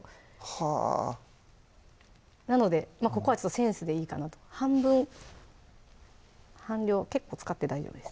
はぁなのでここはちょっとセンスでいいかなと半分半量結構使って大丈夫です